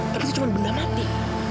tapi cuma benda mati